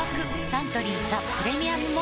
サントリー「ザ・プレミアム・モルツ」